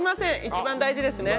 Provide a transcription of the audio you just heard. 一番大事ですね。